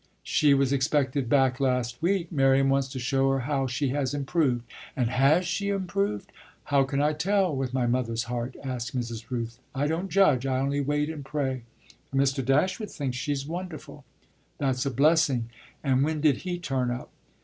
"She was expected back last week. Miriam wants to show her how she has improved." "And has she improved?" "How can I tell with my mother's heart?" asked Mrs. Rooth. "I don't judge; I only wait and pray. But Mr. Dashwood thinks she's wonderful." "That's a blessing. And when did he turn up?"